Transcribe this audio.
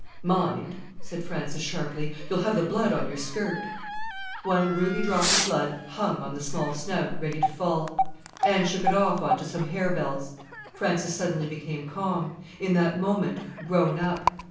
"Mind," said Frances sharply. "You'll have the blood on your skirt!" One ruby drop of blood hung on the small snout, ready to fall. Anne shook it off on to some harebells. Frances suddenly became calm; in that moment, grown up.